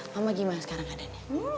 mama gimana sekarang keadaannya